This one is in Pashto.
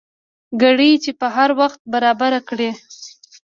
ګړۍ چې پر هر وخت برابر کړې.